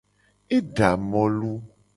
E da molu.